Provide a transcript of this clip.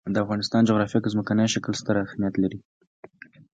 د افغانستان جغرافیه کې ځمکنی شکل ستر اهمیت لري.